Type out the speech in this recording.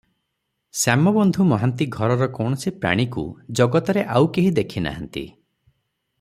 ଶ୍ୟାମବନ୍ଧୁ ମହାନ୍ତି ଘରର କୌଣସି ପ୍ରାଣୀକୁ ଜଗତରେ ଆଉ କେହି ଦେଖି ନାହାନ୍ତି ।